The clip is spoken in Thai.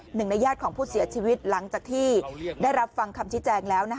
หนึ่งในญาติของผู้เสียชีวิตหลังจากที่ได้รับฟังคำชี้แจงแล้ว